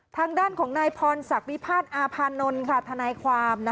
ทางด้านของนายพรศักดิ์วิพาทอาพานนท์ทนายความ